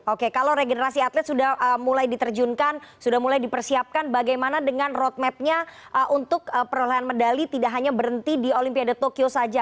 oke kalau regenerasi atlet sudah mulai diterjunkan sudah mulai dipersiapkan bagaimana dengan roadmapnya untuk perolehan medali tidak hanya berhenti di olimpiade tokyo saja